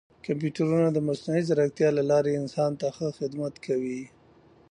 کمپیوټرونه د مصنوعي ځیرکتیا له لارې انسان ته ښه خدمت کوي.